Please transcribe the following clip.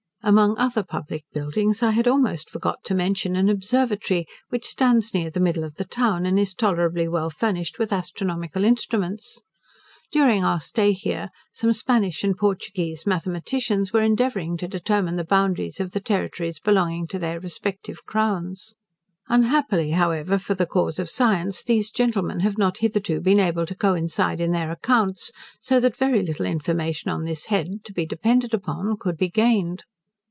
Among other public buildings, I had almost forgot to mention an observatory, which stands near the middle of the town, and is tolerably well furnished with astronomical instruments. During our stay here, some Spanish and Portuguese mathematicians were endeavouring to determine the boundaries of the territories belonging to their respective crowns. Unhappily, however, for the cause of science, these gentleman have not hitherto been able to coincide in their accounts, so that very little information on this head, to be depended upon, could be gained.